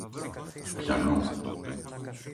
Ποιανού;